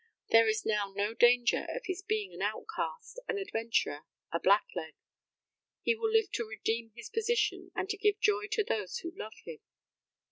There is now no danger of his being an outcast, an adventurer, a black leg. He will live to redeem his position, and to give joy to those who love him.